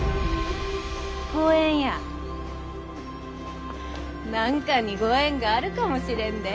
五円や何かにご縁があるかもしれんで。